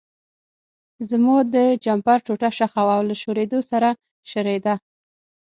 زما د جمپر ټوټه شخه وه او له شورېدو سره شریده.